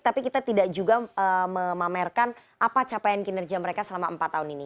tapi kita tidak juga memamerkan apa capaian kinerja mereka selama empat tahun ini